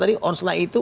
tadi onslag itu